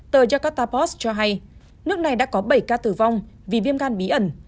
tờ jakarta post cho hay nước này đã có bảy ca tử vong vì viêm gan bí ẩn